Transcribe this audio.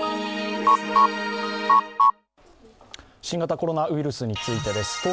新型コロナウイルスについてです。